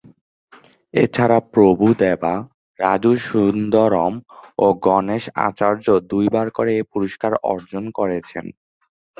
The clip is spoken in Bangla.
এছাড়া প্রভু দেবা, রাজু সুন্দরম ও গণেশ আচার্য দুইবার করে এই পুরস্কার অর্জন করেছেন।